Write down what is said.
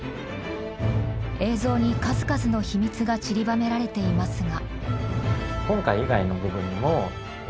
映像に数々の秘密がちりばめられていますが。